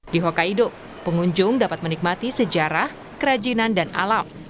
di hoka hidup pengunjung dapat menikmati sejarah kerajinan dan alam